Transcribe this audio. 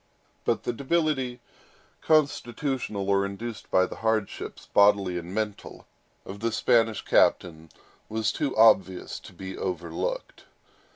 But the debility, constitutional or induced by hardships, bodily and mental, of the Spanish captain, was too obvious to be overlooked.